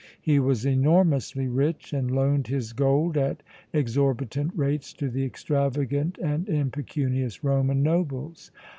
He was enormously rich and loaned his gold at exorbitant rates to the extravagant and impecunious Roman nobles.